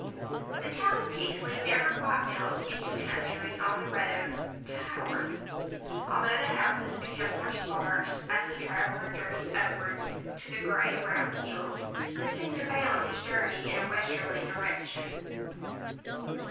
The town of Keighley never quite melts into country on the road to Haworth, although the houses become more sparse as the traveller journeys upwards to the grey round hills that seem to bound his journey in a westerly direction.